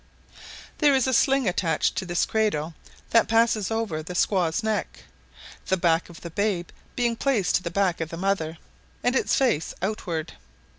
There is a sling attached to this cradle that passes over the squaw's neck, the back of the babe being placed to the back of the mother, and its face outward.